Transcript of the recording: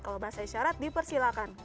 kalau bahasa isyarat dipersilahkan